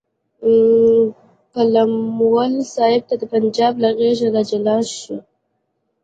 قلموال صاحب ته د پنجاب له غېږې راجلا شه.